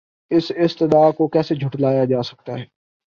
اس استدعاکو کیسے جھٹلایا جاسکتاہے؟